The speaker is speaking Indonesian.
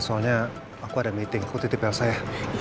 soalnya aku ada meeting aku titip elsah ya